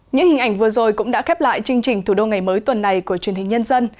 những hình ảnh vừa rồi cũng đã khép lại chương trình thủ đô ngày mới tuần này của truyền hình nhân dân